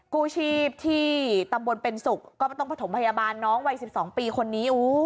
กู้ชีพที่ตำบลเป็นศุกร์ก็ต้องประถมพยาบาลน้องวัย๑๒ปีคนนี้